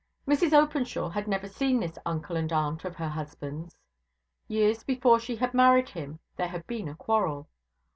Mrs Openshaw had never seen this uncle and aunt of her husband's. Years before she had married him, there had been a quarrel.